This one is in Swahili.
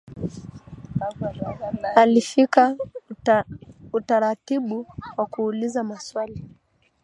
Alifikia utaratibu wa kuulizwa maswali